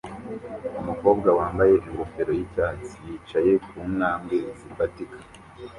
Umukobwa wambaye ingofero yicyatsi yicaye ku ntambwe zifatika